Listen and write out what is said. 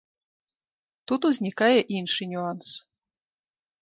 Тут узнікае іншы нюанс.